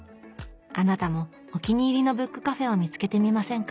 あなたもお気に入りのブックカフェを見つけてみませんか？